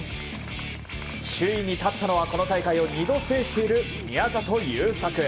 首位に立ったのはこの大会を２度制している宮里優作。